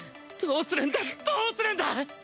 どうするんだどうするんだ！